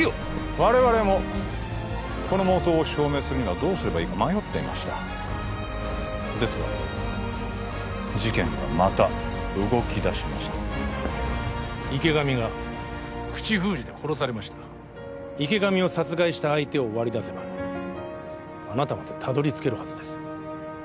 我々もこの妄想を証明するにはどうすればいいか迷っていましたですが事件がまた動きだしました池上が口封じで殺されました池上を殺害した相手を割り出せばあなたまでたどり着けるはずです